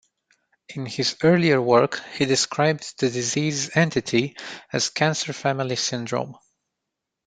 In his earlier work, he described the disease entity as cancer family syndrome.